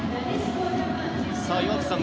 岩渕さん